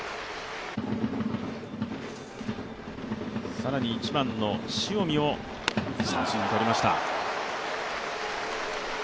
更に１番の塩見を三振にとりました。